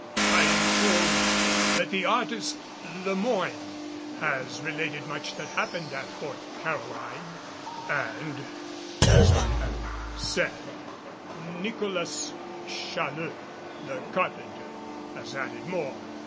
I am told that the artist Le Moyne has related much that happened at Fort Caroline and, as I have said, Nicholas Challeux, the carpenter, has added more.